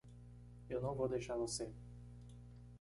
Eu não vou deixar você.